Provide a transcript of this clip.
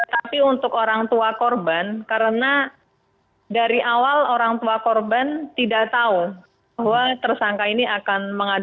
tapi untuk orang tua korban karena